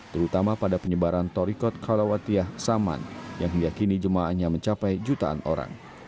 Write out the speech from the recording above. terutama pada penyebaran torikot kalawatiyah saman yang hingga kini jemaahnya mencapai jutaan orang